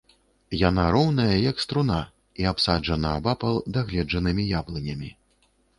Яна роўная, як струна, і абсаджана абапал дагледжанымі яблынямі.